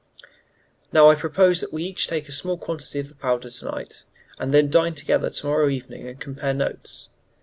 "Now, I propose that we each take a small quantity of the powder to night, and then dine together to morrow evening and compare notes.